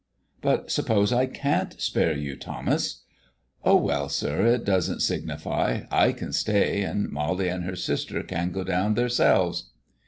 "But suppose I can't spare you, Thomas?" "Oh, well, sir, it doesn't signify. I can stay, and Molly and her sister can go down theirselves."